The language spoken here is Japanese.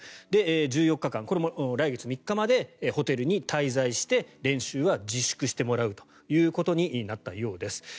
１４日間、これも来月３日までホテルに滞在して練習は自粛してもらうということになったようです。